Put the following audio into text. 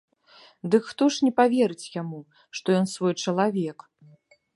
Дык хто ж не паверыць яму, што ён свой чалавек?